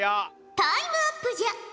タイムアップじゃ。